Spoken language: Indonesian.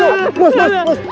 aduh aduh aduh